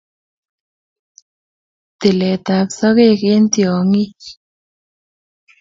tiletap sogek eng tyongik